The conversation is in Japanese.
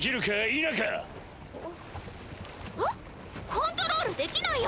コントロールできないよ！